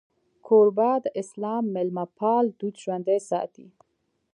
کوربه د اسلام میلمهپال دود ژوندی ساتي.